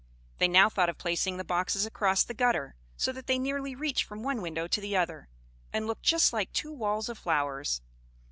They now thought of placing the boxes across the gutter, so that they nearly reached from one window to the other, and looked just like two walls of flowers.